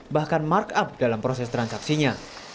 bahkan markup dalam proses transaksinya